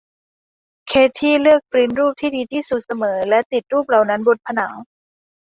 เคธี่เลือกปริ้นท์รูปที่ดีที่สุดเสมอและติดรูปเหล่านั้นบนผนัง